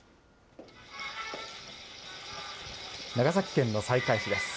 長崎県の西海市です。